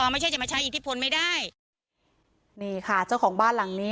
ไม่ใช่จะมาใช้อิทธิพลไม่ได้นี่ค่ะเจ้าของบ้านหลังนี้